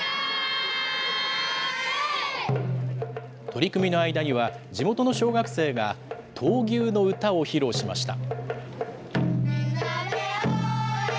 取組の間には、地元の小学生が、闘牛の歌を披露しました。